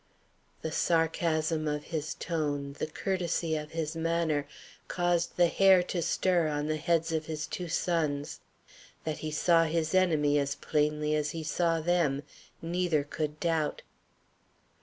The sarcasm of his tone, the courtesy of his manner, caused the hair to stir on the heads of his two sons. That he saw his enemy as plainly as he saw them, neither could doubt.